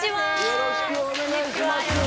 よろしくお願いします